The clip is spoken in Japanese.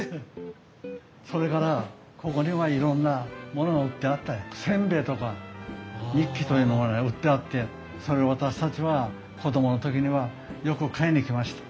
それからここにはいろんなものが売ってあって煎餅とかニッキというのがね売ってあってそれを私たちは子供の時にはよく買いに来ました。